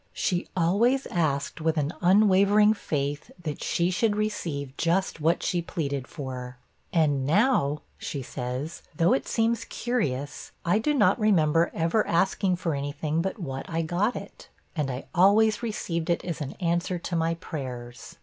She always asked with an unwavering faith that she should receive just what she pleaded for, 'And now,' she says, 'though it seems curious, I do not remember ever asking for any thing but what I got it. And I always received it as an answer to my prayers.